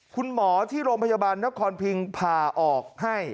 คุณหมอที่โรงพยาบาลนครพิงผ่าออกให้